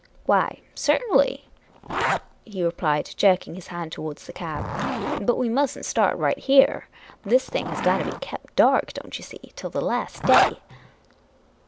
" Why, certainly," he replied, jerking his hand towards the cab. " But we must n't start right here. This thing has got to be kept dark, don't you see, till the last day."